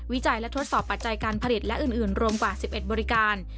วิจัยและทดสอบปัจจัยการผลิตและอื่นรวมกว่า๑๑บริการ